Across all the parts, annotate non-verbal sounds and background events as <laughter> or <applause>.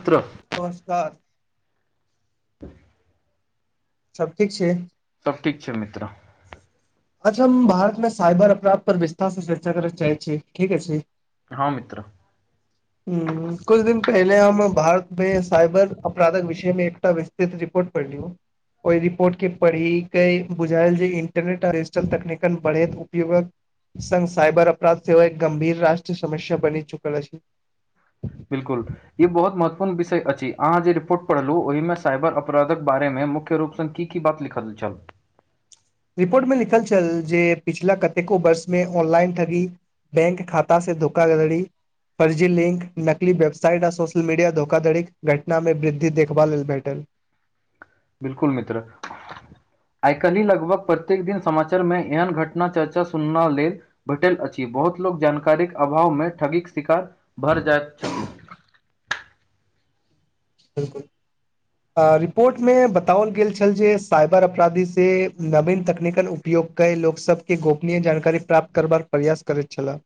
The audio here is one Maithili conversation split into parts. कत्र <unintelligible> नमस्कार त <inaudible> सब ठीक छै सब ठीक छले त <inaudible> अच्छा हम भारत मे साइबर अपराध पर विस्तार से चर्चा करय चाहे छी ठीक अछि हँ मित्र <inaudible> हु कुछ दिन पहिले हम भारत मे साइबर अपराधक विषय मे रिपोर्ट पढ़ लियो ओह रिपोर्ट के पढ़ी के बुझायल जे इंटरनेट आ रिजिटल तकनीकल बढ़ेत उपयोगक <unintelligible> संघ साइबर अपराध सेहो एक गंभीर रष्ट्र समस्या बनि चुकल अछि बिलकुल ई बहुत महत्वपूर्ण विषय अछि अहाँ जे रिपोर्ट पढ़लू ओहिमे साइबर अपराधक बारे मे मुख्य रूप से बात लिखल छल रिपोर्ट मे लिखल छल जे पिछिला कतेको वर्ष में ऑनलाइन ठगी बैंक खाता से धोखा घड़ी फर्जी लिंक नकली वेबसाइट आ सोशल मीडिया धोखाधड़ी घटना मे वृद्धि देखभाल लेल भेटल बिलकुल मित्र आइ काल्हि लगभग प्रत्येक दिन समाचारमे एहन घटना चर्चा सुनना ले भेटल अछि बहुत लोग जानकारीक अभाव मे ठगीक शिकार भो जाइत छथि बिलकुल रिपोर्ट मे बताओल गेल छल जे साइबर अपराधी से नवीन तकनीकल उपयोग कय लोकसभके गोपनीय जानकारी प्राप्त करबाक प्रयास करैत छलाह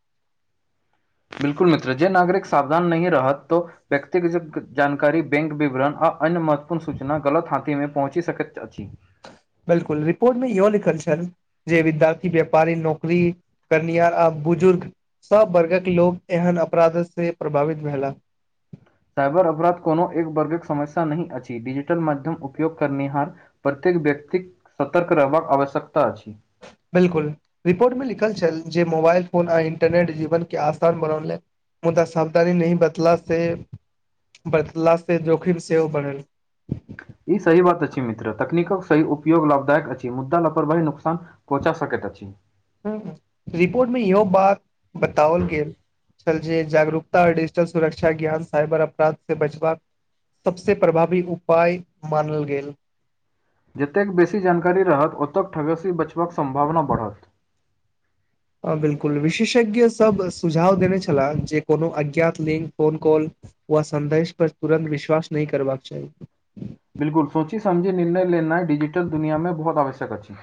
बिलकुल मित्र जे नागरिक सावधान नहिहे रहत तऽ व्यक्तिगत जानकारी बैंक विवरण आ अन्य महत्वपूर्ण सूचना गलत हाथी मे पहुँचि सकैत अछि बिलकुल रिपोर्ट मे इहो लिखल छैल जे विद्यार्थी व्यापारी नौकरी करनिय आ बुजुर्ग सभ वर्गक लोक एहन अपराधत सँ प्रभावित भेला साइबर अपराध कोनो एक वर्गक समस्या नहि अछि डिजिटल माध्यम उपयोग करनिहार प्रत्येक व्यक्तिक सतर्क रहबाक आवश्यकता अछि बिलकुल रिपोर्ट में लिखल छल जे मोबाइल फोन आ इन्टरनेट जीवन के आसान बनौले मुदा सावधानी नहि बतला से बतलासँ जोखिम सेहो बढ़ल ई सही बात अछि मित्र तकनीक सही उपयोग लाभदायक अछि मुद्दा लपरवाही नुकसान कोचा सकेत अ छी ह रिपोर्ट मे इहो बात बताओल गेल चल जे जागरूकताओर डिजिटल सुरक्षा ज्ञान साईबर अपराध से बचबाक सबसँ प्रभावी उपाय मानल गेल जतेक बेसी जानकारी रहत ओतक ठगसी बचबाक सम्भावना बढ़त हँ बिल्कुल विशेषज्ञसभ सुझाव देने छलाह जे कोनो अज्ञात लिंक फोन कॉल वह संदेश पर तुरन्त विश्वास नहि करबाक चाही बिलकुल सोची समझी निर्णय लेनाइ डिजिटल दुननिया मे बहुत आवश्यक अछि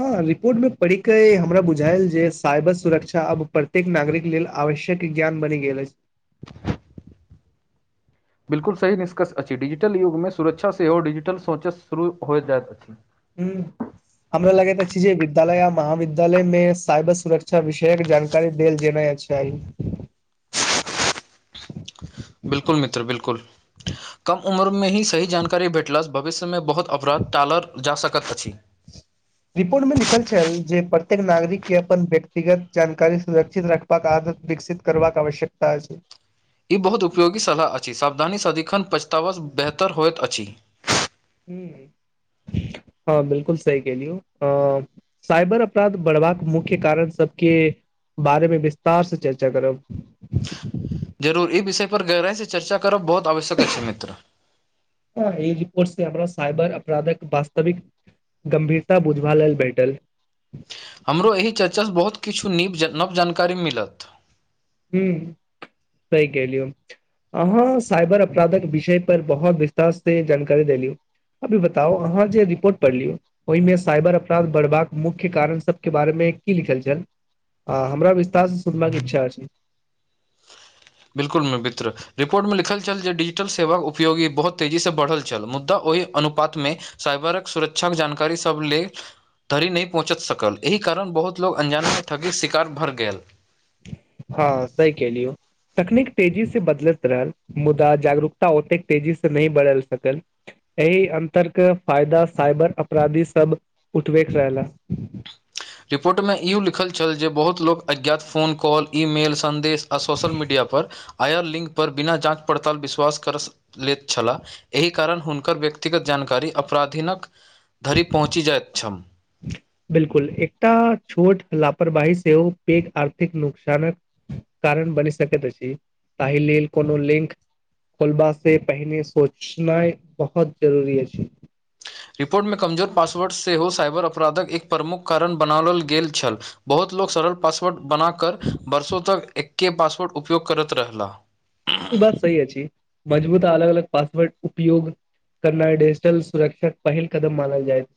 हँ रिपोर्ट मे पढ़ी के लेल हमरा बुझायल जे साइबर सुरक्षा अब प्रत्येक नागरिक लेल आवश्यक ज्ञान बनि गेल अछि बिलकुल सही निष्कर्ष अछि डिजिटल युग मे सुरक्षा सेहो डिजिटल सोचत शुरू हो जाइत अछि हू हमरा लगैत अछि जे विद्यालय आ महाविद्यालाया मे साइबर सुरक्षा विषय के जानकारी देल जेना अछि सरी <unintelligible> <unintelligible> बिल्कुल मित्र बिल्कुल कम उम्रमे ही सही जानकारी भेटलँ भविष्यमे बहुत अपराध टालल जा सकैत अछि <inaudible> <inaudible> रिपोर्ट में लिखल छल जे प्रत्येक नागरिक के अपन व्यक्तिगत जानकारी सुरक्षित रख पक आदत विकसित करबाकक आवश्यकता छै ई बहुत उपयोगी सलाह अछि सावधानी सदिखन पचतावा बेहतर होइत अछि ह हँ बिल्कुल सही कलियै अ साइबर अपराध बढ़बाक मुख्य कारण सबके बारे मे विस्तार से चर्चा करब जरूर ई विषय पर गहराइ से चर्चा करब बहुत आवश्यक अछि मित्र हँ ई रिपोर्ट से हमरा सइबर अपराधक वास्तविक गंभीरता बुझबा लेल बैटल हमरो एहि चर्चासँ बहुत किछु नव जानकारी मिलत हं सही कहलियौ अहाँ साईबर अपराधक विषय पर बहुत विस्तार से जानकारी देलिय अभी बताउ अहाँ जे रिपोर्ट पढ़लियै ओहिमे साइबर अपराध बढ़बाक मुख्य कारण सबके बारेमे की लिखल छल ह हमरा विस्तार से सुनबाक इच्छा छै बिल्कुल भित्र रिपोर्टमे लिखल छल जे डिजिटल सेवाक उपयोगी बहुत तेजीसँ बढ़ल छल मुद्दा ओहि अनुपातमे साइबरक सुरक्षाक जानकारी सब ले धरि नहि पहुँचत सकल एहि कारण बहुत लोको अन्जानमे ठगिक शिकार भरि गेल हँ सही केलियौ तकनीक तेजी से बदलैत रहल मुदा जागरूकता ओतेक तेजी से नहि बदलि सकल एहि अन्तरके फायदा फाइबर अपराधीसभ उठबैत रहलए रिपोर्ट में इो लिखल छल जे बहुत लोको अज्ञात फोन कॉल ई मेल सन्देश आ सोशल मीडिया पर आया लिंक पर बिना जाँच पड़ताल विश्वास कर लेैत छलाह एहि कारण हुनकर व्यक्तिगत जानकारी अपराधीनक धरि पहुँचि जाइत छल बिलकुल एकटा छोट लापरवाही सेहो पैघ आर्थिक नुकसानक कारण बनि सकत अछी कहि लिल कोनो लिंक खोलबा से पहिने सोचनाइ बहुत जरूरी अछि रिपोर्टमे कमजोर पासवर्ड सेहो साइबर अपराधक एक प्रमुख कारण बनाबोल गेल छल बहुत लोक सरल पास वर्ड बना <unintelligible> क बर्सो तक एकके पासवर्ड उपयोग करैत रहला <unintelligible> ई बात सही अछि मजबूत अलग अलग पासवर्ड उपयोग करना डिजिटल सुरक्षा के पहिल कदम मानल जाइत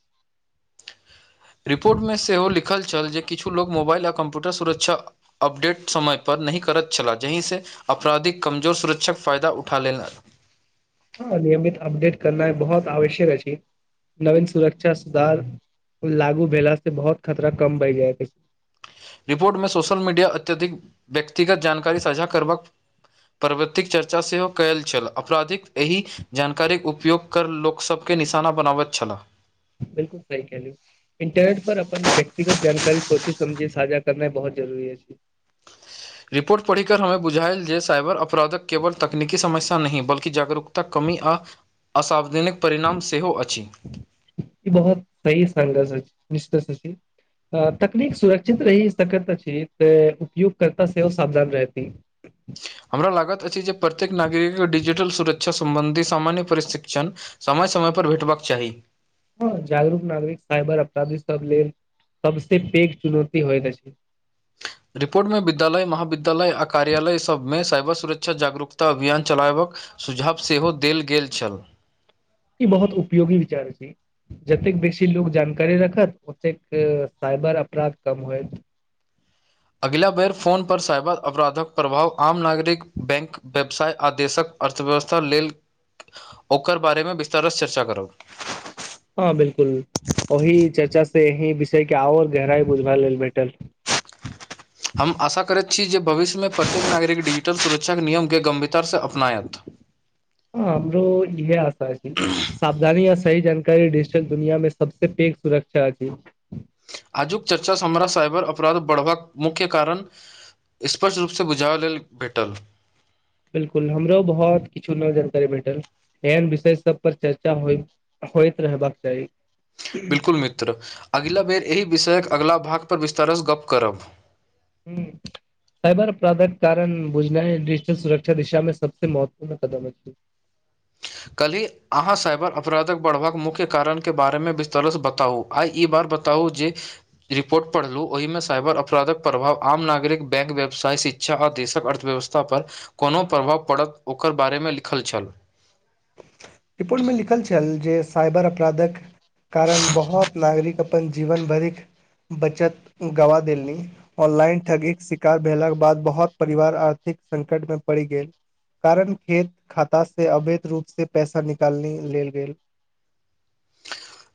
रिपोट मे सेहो लिख लिखल छल जे किछु लोक मोबाइल आ कम्प्यूटर सुरक्षा अपडेट समयपर नहि करैत छलाह जाहिसँ अपराधिक कमजोर सुरक्षक फायदा उठा लेल हँ नियमित अपडेट करना बहुत आवश्यक अछि नवीन सुरक्षा सुधार लागु भेला से बहुत खतरा कम बय जायत अछि रिपोर्ट मे सोशल मीडिया अत्यधिक व्यक्तिगत जानकारी साझा करबाक प्रवृतिक चर्चा सेहो कयल छल अपराधिक एहि जानकारीक उपयोग कर लोकसभके निशाना बनाबैत छला बिलकुल सही कहलू इंटरट पर अपन व्यक्तिगत जानकारी सोचे समझे साझा करनाइ बहुत जरुरूरी अही रिपोर्ट पढ़ि क हममे बुझायल जे साइबर अपराधक केवल तकनीकी समस्या नहि बल्कि जागरूक त कमी आ असावधानिक परिणाम सेहो अछि ई बहुत सी सग स निश्चित सची तकनीक सुरक्षित रही सकत अछि तऽ उपयोग करता सेहो सावधान रहती हमरा लागत अछि जे प्रत्येक नागरिक के डिजिटल सुरक्षा सम्बन्धी सामान्य प्रशीक्षण समय समय पर भेटबक चाही हँ जागरूक नागरिक साइबर अपराधी सब लेल सबसे पैघ चुनौती होइत छै रिपोर्ट मे विद्यालय महाविद्यालय आ कार्यालय सभमे साइबर सुरक्षा जागरूकता अभियान चलायबक सुझाव सेहो देल गेल छल ई बहुत उपयोगी विचार अछी जतेक बेसी लोक जानकरी रखत ओतेक साइबर अपराध कम होयत अगिला बेर फोन पर साइबर अपराधक प्रभाव आम नागरिक बैंक व्यवसाय आ देशक अर्थव्यवस्था लेल ओकर बारेमे विस्तारसँ चर्चा करब हँ बिलकुल ओहि चर्चा से एहि विषय के आओर गहराई बुझबा लेल भेटल हम आशा करैत छी जे भविष्यमे प्रत्येक नागरिक डिजिटल सुरक्षाके नियमके गमभीरततासँ अपनायत ह हमरो इहे आशा अछी सावधानी आ सही जानकारी दुनिया मे सबसँ पैघ सुर्षा छै आजुक चर्चा समराह साइबर अपराध बढ़बाक मुख्य कारण स्पष्ट रूपसँ बुझाब लेल भेटल बिलकुल हमरो बहुत किछु न जानकारी भेटल एहन विषय सब पर चर्चा हो होइत रहबाक चाही बिल्कुल मित्र अगिला बेर एहि विषयक अगिला भागपर विस्तारसँ गप्प करब हूं साईबर अपराधक कारण बुझना डिजिटल सुर्षा दिशा में सबसे महत्वपूर्ण कदम ह कल्हि अहाँ साइबर अपराधक बढ़बाक मुख्य कारण के बारेमे विस्तारसँ बताउ आइ ई बार बताउ जे रिपोर्ट पढ़लहुँ ओहिमे साइबर अपराधक प्रभाव आम नागरिक बैंक व्यवसाय शिक्षा आ देशक अर्थव्यवस्था पर कोनो प्रभाव पड़त ओकर बारेमे लिखल छल रिपोर्ट में लिखल छल जे साइबर अपराधक कारण बहुत नागरिक अपन जीवन भरिक बचत गवा देलनि ऑनलाइन ठगीक के शिकार भेलाक बाद बहुत परिवार आर्थिक संकट मे पड़ि गेल कारण खेत खाता से अवैध रूप से पैसा निकालने लेल गेल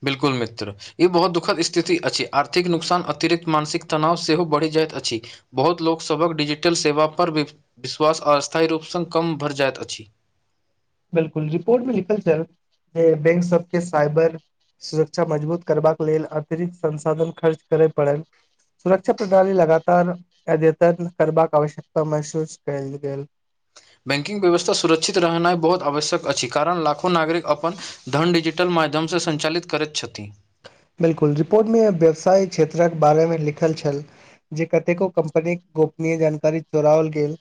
बिलकुल मित्र ई बहुत दुखद स्थिति अछि आर्थिक नुकसान अतिरिक्त मानसिक तनाव सेहो बढ़ि जाइत अछि बहुत लोकसभक डिजिटल सेवापर विश्वास स्थायी रूपसँ कम भरि जाइत अछि बिल्कुल रिपोर्ट मे लिखल छै बैंक सबके साईबर सुरक्षा मजबूत करबाक लेल अतिरिक्त संसाधन खर्च करय पड़नि सुरक्षा प्रणाली लगातार अद्यतन करबाक आवश्यकता महसुस केल गेल बैंकिंग व्यवस्था सुरक्षित रहनाइ बहुत आवश्यक अछि कारण लाखो नागरिक अपन धन डिजिटल माध्यमसँ सञ्चालित करैत छथि बिल्कुल रिपोर्टमे व्यवसाय क्षेत्रके बारेमे लिखल छल जे कतेको कम्पनीके गोपनीय जानकारी चोराओल गेल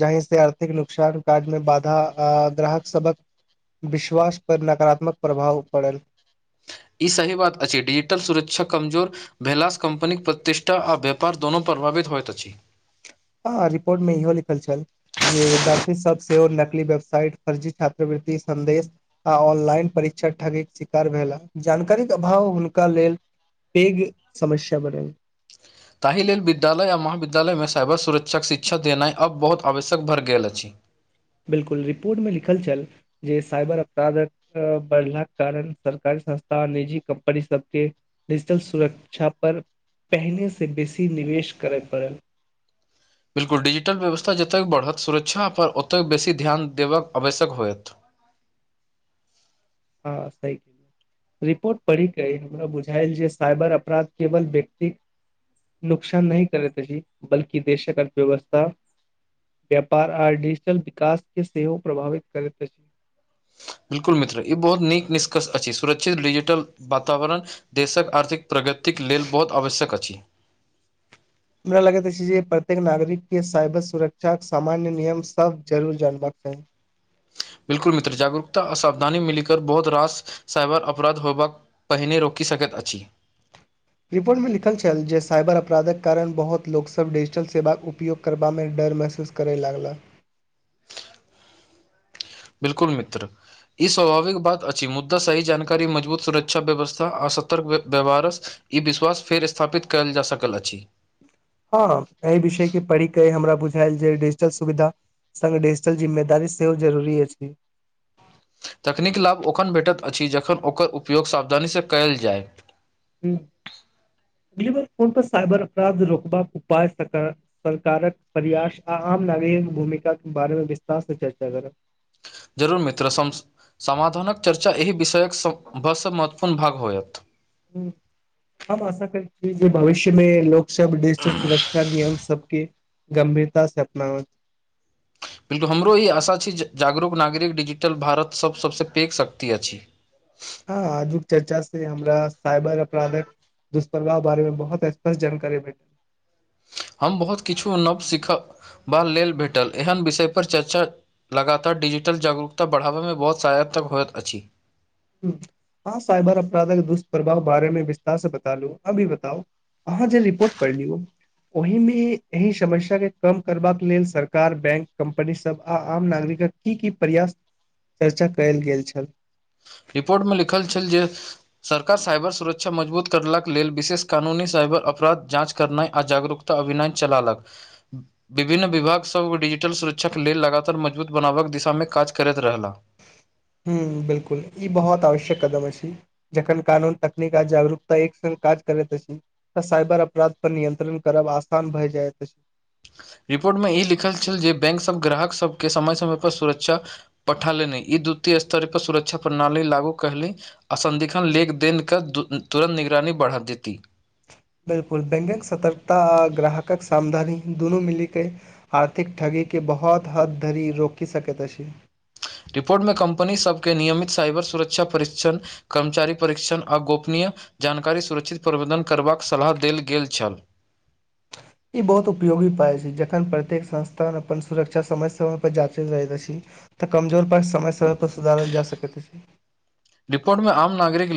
जहि से आर्थिक नुकसान काज मे बाधा ग्राहक सबक विश्वास पर नकारात्मक प्रभाव पड़ल ई सही बात अछि डिजिटल सुरक्षा कमजोर भैलास कम्पनीक प्रतिष्ठा आ व्यापार दोनों प्रभावित होइत अछि हँ रिपोर्ट मे इहो लिखल छल जे विद्यार्थी सब सेहो नकल वेबसाइट फर्जी छात्रवृति संदेश आ ऑनलाइन परीक्षा ठगीक शिकार भेलाह जानकारीक के अभाव हुनका लेल पैघ समस्या बढ़ल ताहि लेल विद्यालय आ महाविद्यालयमे साइबर सुरक्षाक शिक्षा देनाइ आब बहुत आवश्यक भऽ गेल अछि बिलकुल रिपोर्ट मे लिखल छल जे साइबर अपराधक बढ़लाक कारण सरकारी संस्था आ निजी कम्पनी सभ केँ डिजिटल सुरक्षा पर पहिनेसँ बेसी निवेश करय पड़ल बिल्कुल डिजिटल व्यवस्था जतेक बढ़त सुरक्षापर ओतेक बेसी ध्यान देबऽ आवश्यक होयत हँ सै रिपोर्ट पढ़िके हमरा बुझाायल जे साइबर अपराध केवल व्यक्ति नुकसान नहि करै अछि बल्की देशक अर्थव्यवस्था व्यापार आ डिजिटल विकास के सेहो प्रभावित करैत अछि बिल्कुल मित्र ई बहुत नीक निष्कर्ष अछि सुरक्षित डिजिटल वातावरण देशक आर्थिक प्रगतिक लेल बहुत आवश्यक अछि हमरा लगैत अछि जे प्रत्येक नागरिक केँ साइबर सुरक्षाक सामान्य नियम सब जरूर जानबाक चाही बिल्कुल मित्र जागरूकता असावधानी मिलकर बहुत रास साइबर अपराध होबाक पहिने रोकि सकैत अछि रिपोर्टमे लिखल छल जे साईबर अपराधक कारण बहुत लोकसभ डिजिटल सेवाक उपयोग करबामे डर महसूस करै लागलक बिल्कुल मित्र ई स्वभाविक बात अछि मुद्दा सही जानकारी मजबूत सुरक्षा व्यवस्था आ सतर्क व्यवहार ई विश्वास फेर स्थापित कयल जा सकल अछि हँ एहि विषय के पढ़िके हमरा बुझायल जे डिजिटल सुविधा संगे डिजिटल जिम्मेदी सेहो जरूरी अछि तकनीकी लाभ ओखन भेटैत अछि जखन ओकर उपयोग सावधानीसँ कयल जाय ह ब ब फोन पर साइबर अपराध रोकबाक उपाय सक <unintelligible> सरकारक प्रयास आ आम नागरिक भूमिका केँ बारेमे विस्तार से चर्चा करब जरूर मित्र समाधानक चर्चा एहि विषयक सभसँ महत्वपूर्ण भाग होयत हम आशा करै छियै जे भविष्यमे लोक सुरक्षा नियम सबके गंभीरता से अपनावैत बिल्कुल हमरो ई आशा छी जागरूक नागरिक डिजिटल भारत सब सबसँ पेघ शक्ति अछि हँ आजुक चर्चा से हमरा साइबर अपराधक दुष्प्रभाव बारे मे बहुत स्पष्ट जानकारी भेट हम बहुत किछु नव सिखबा लेल भेटल एहन विषयपर चर्चा लगातार डिजिटल जागरूकता बढ़ाबैमे बहुत साहयतक होइत अछि हँ साइबर अपराध के दुष्प्रभाव बारेमे विस्तार से बता लू अभी बताउ अहाँ जे रिपोर्ट पढ़लीयो ओहिमे एहि समस्या के कम करबाक लेल सरकार बैंक कम्पनी सभ आ आम नागरिकक की की प्रयास चर्चा कयल गेल छल रिपोर्टमे लिखल छल जे सरकार साइबर सुरक्षा मजबूत करलाक लेल विशेष कानूनी साइबर अपराध जाँच करनाय आ जागरूकता अभिनय चला लक विभिन्न विभागसभ डिजिटल सुरक्षाके लेल लगातार मजबूत बनाबक दिशामे काज करैत रहलाह हूँ बिल्कुल ई बहुत आवश्यक कदम अछि जखन कानून तकनीक आ जागरूकता एक संग काज करैत अछि तऽ साइबर अपराध पर नियंत्रण करब आसान भए जाएत अछि रिपोर्ट मे ई लिखल छल जे बैंक सभ ग्राहक सभके समय समय पर सुरक्षा पठा ले नहि ई द्वितीय स्तर पर सुरक्षा प्रणाली लागू करली असदिन लेख देन क तुरन्त निगरानी बढ़ा देती बिल्कुल बैंकिग सतर्कता आ ग्राहकक सावधानी दुनू मिलीके आर्थिक ठगीके बहुत हद धरि रोकि सकैत अछि रिपोर्ट मे कंपनी सभके नियमित साइबर सुरक्षा परीक्षण कर्मचारी परीक्षण आ गोपनीय जानकारी सुरक्षित प्रबन्धन करबाक सलाह देल गेल छल ई बहुत उपयोगी पाय छै जखन प्रत्येक संस्थान अपन सुरक्षा समय समय पर जाँचैत रहैत अछि तऽ कमजोर पास समय समय पर सुधारल जा सकैत अछि रिपोर्ट मे आम नागरिक लेल